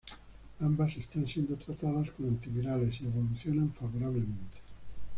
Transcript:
Ambas están siendo tratadas con antivirales y evolucionan favorablemente.